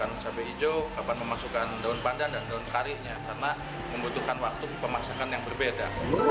makan cabai hijau kapan memasukkan daun pandan dan daun karinya karena membutuhkan waktu pemasakan yang berbeda